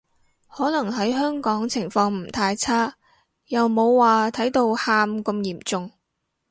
可能喺香港情況唔太差，又冇話睇到喊咁嚴重